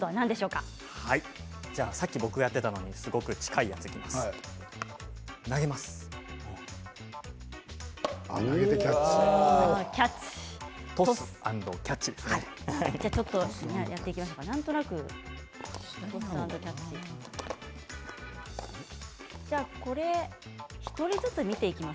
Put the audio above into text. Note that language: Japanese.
さっき僕がやっていたのにすごく近いやつになります。